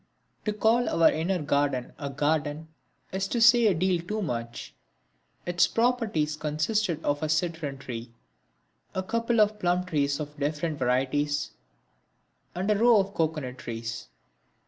To call our inner garden a garden is to say a deal too much. Its properties consisted of a citron tree, a couple of plum trees of different varieties, and a row of cocoanut trees.